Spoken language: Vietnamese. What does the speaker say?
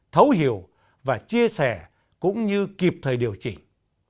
thấu hiểu và chia sẻ cũng như kịp thời điều chỉnh